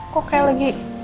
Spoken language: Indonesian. kok kayak lagi